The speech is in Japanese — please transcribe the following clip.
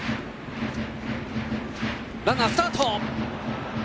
ランナー、スタート。